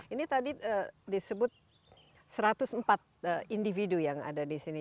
ini tadi disebut satu ratus empat individu yang ada di sini